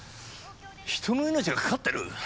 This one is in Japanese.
人の命がかかってる！？